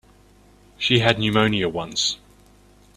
She had pneumonia once.